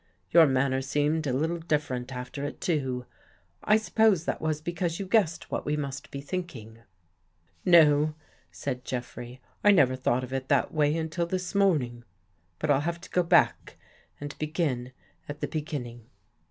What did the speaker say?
Your manner seemed a little different after it too. I suppose that was because you guessed what we must be thinking." " No," said Jeffrey, " I never thought of it that way until this morning. But I'll have to go back and begin at the beginning.